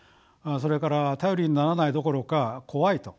それから頼りにならないどころか怖いと。